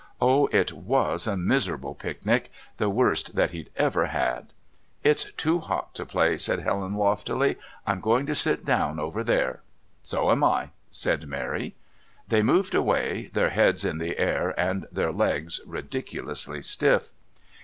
Oh! it was a miserable picnic! The worst that he'd ever had. "It's too hot to play," said Helen loftily. "I'm going to sit down over there." "So am I," said Mary. They moved away, their heads in the air and their legs ridiculously stiff.